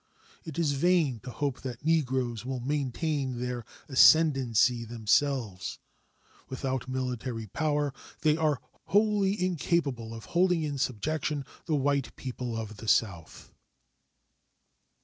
It is vain to hope that Negroes will maintain their ascendency themselves. Without military power they are wholly incapable of holding in subjection the white people of the South.